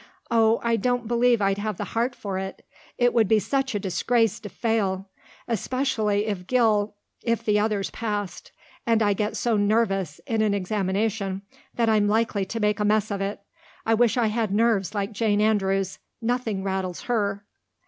"Oh, I don't believe I'd have the heart for it. It would be such a disgrace to fail, especially if Gil if the others passed. And I get so nervous in an examination that I'm likely to make a mess of it. I wish I had nerves like Jane Andrews. Nothing rattles her."